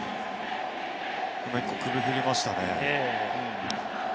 一個、首振りましたね。